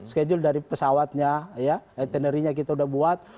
schedule dari pesawatnya itinerinya kita sudah buat